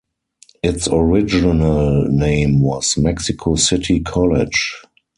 Its original name was Mexico City College.